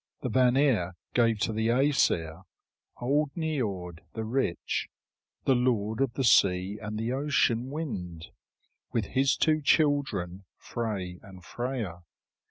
The Vanir gave to the Æsir old Niörd the rich, the lord of the sea and the ocean wind, with his two children, Frey and Freia.